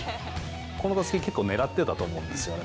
この打席結構狙ってたと思うんですよね。